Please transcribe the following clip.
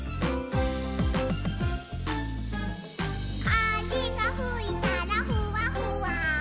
「かぜがふいたらふわふわ」